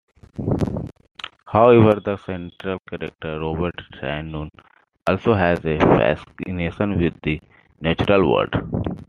However, the central character, Robert Shannon, also has a fascination with the natural world.